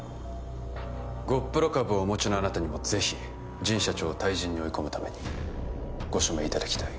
ゴップロ株をお持ちのあなたにもぜひ神社長を退陣に追い込むためにご署名いただきたい